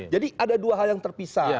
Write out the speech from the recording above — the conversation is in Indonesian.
jadi ada dua hal yang terpisah